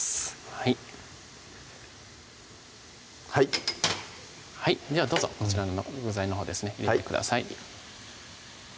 はいはいはいではどうぞこちらの具材のほうですね入れてください